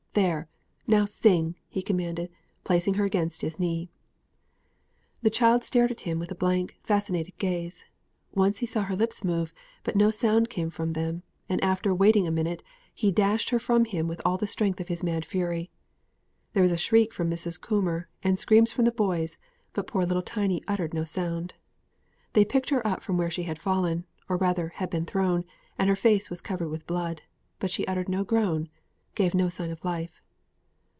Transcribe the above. "There now sing!" he commanded, placing her against his knee. The child stared at him with a blank, fascinated gaze. Once he saw her lips move, but no sound came from them; and after waiting a minute he dashed her from him with all the strength of his mad fury. There was a shriek from Mrs. Coomber, and screams from the boys, but poor little Tiny uttered no sound. They picked her up from where she had fallen, or rather had been thrown, and her face was covered with blood; but she uttered no groan gave no sign of life.